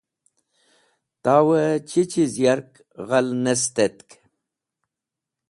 Tawẽ chi chiz yark ghal ne sẽtetk?